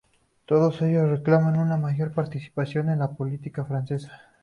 Todos ellos reclaman una mayor participación en la política francesa.